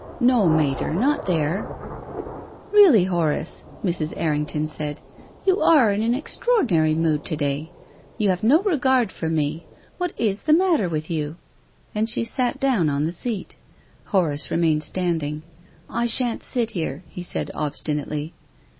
" No, Mater, not here." " Really, Horace," Mrs. Errington said, " you are in an extraordinary mood to day. You have THE LADY AND THE BEGGAR. 361 no regard for me. What is the matter with "i " you r And she sat down on the seat. Horace re mained standing. " I shan't sit here," he said obstinately.